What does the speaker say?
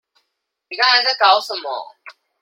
你剛才在搞什麼？